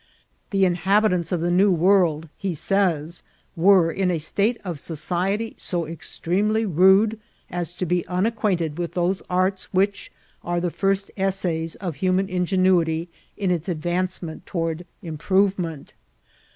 '' '^The inhabitants of the New World," he says, " were in a state of society so extremely rude as to be unacquainted with diose arts whieh.are the first essays of human ingenuity in its ad vance toward improvement.''